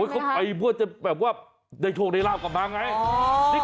เขาไปเพื่อจะได้โทรในราวกลับมาไง